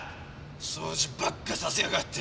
掃除ばっかさせやがって！